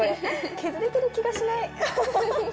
削れてる気がしない。